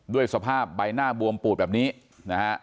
ด้วยสภาพใบหน้าบวมปูดแบบนี้นะฮะ